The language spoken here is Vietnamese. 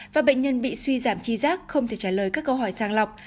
và bệnh nhân bị suy giảm chi giác không thể trả lời các câu hỏi sang lọc